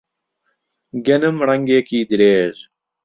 گەنم ڕەنگێکی درێژ